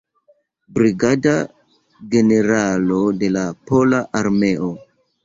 Brigada generalo de la Pola Armeo.